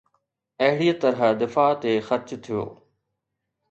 اهڙيءَ طرح دفاع تي خرچ ٿيو